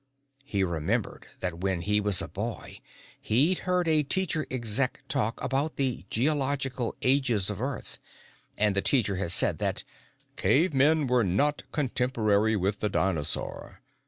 He remembered that when he was a boy, he'd heard a Teacher Exec talk about the Geological Ages of Earth and the Teacher had said that "cave men were not contemporary with the dinosaur."